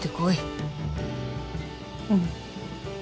うん。